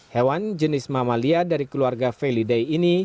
hewan jenis mamalia dari keluarga feliday ini